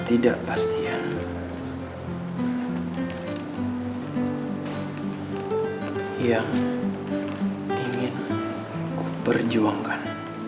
ingin ku perjuangkan